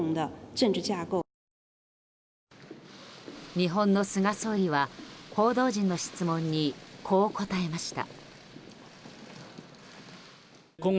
日本の菅総理は報道陣の質問にこう答えました。